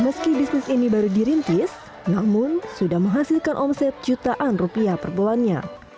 meski bisnis ini baru dirintis namun sudah menghasilkan omset jutaan rupiah per bulannya